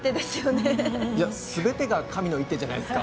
いや全てが神の一手じゃないですか？